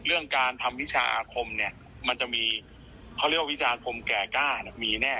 เรื่องการทำวิชาอาคมเนี่ยมันจะมีเขาเรียกว่าวิชาคมแก่กล้ามีแน่